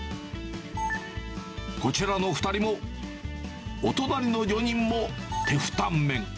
こちらの２人も、お隣の４人もテフタンメン。